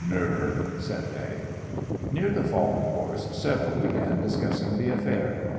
"Nerve!" said they. Near the fallen horse several began discussing the affair.